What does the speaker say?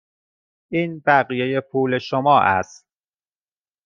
این بقیه پول شما است.